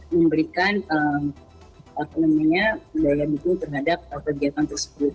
memberikan daya dukung terhadap kegiatan tersebut